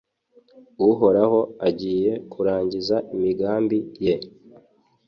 Uhoraho agiye kurangiza imigambi ye